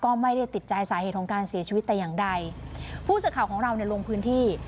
ก็ไม่ได้ติดใจสาเหตุของการเสียชีวิตแต่อย่างใดผู้สื่อข่าวของเราเนี่ยลงพื้นที่